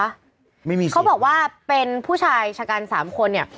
ไม่มีเขาบอกว่าเป็นผู้ชายชะกันสามคนเนี่ย